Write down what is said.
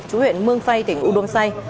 chủ huyện mương phay tỉnh u đông say